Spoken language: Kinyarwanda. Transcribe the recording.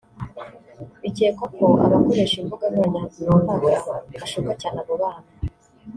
Bikekwa ko abakoresha imbuga nkoranyambaga bashuka cyane abo bana